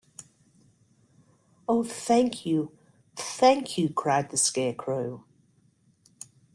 Oh, thank you — thank you! cried the Scarecrow.